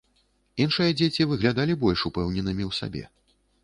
Іншыя дзеці выглядалі больш упэўненымі ў сабе.